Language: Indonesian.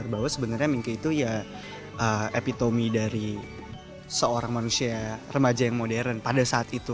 bahwa sebenarnya mingke itu ya epitomi dari seorang manusia remaja yang modern pada saat itu